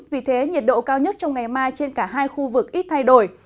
vì thế nhiệt độ cao nhất trong ngày mai trên cả hai khu vực ít thay đổi